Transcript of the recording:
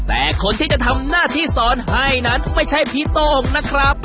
แต่คนที่จะทำหน้าที่สอนให้นั้นไม่ใช่พี่โต้งนะครับ